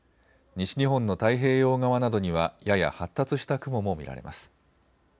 西日本の太平洋側などにはやや発達した雲も見られます。